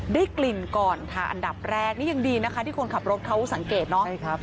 ได้กลิ่นก่อนค่ะอันดับแรกนี่ยังดีนะคะที่คนขับรถเขาสังเกตเนาะ